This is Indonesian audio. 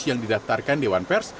yang didaftarkan dewan pers